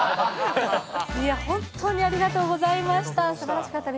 いや、本当にありがとうございました。